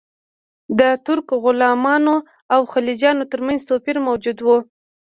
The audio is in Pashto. د ترک غلامانو او خلجیانو ترمنځ توپیر موجود و.